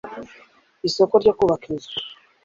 isoko ryo kubaka inzu